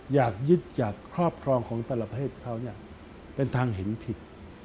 อยากยึดจากครอบครองของแต่ละเพศเขาเป็นทางเห็นผิด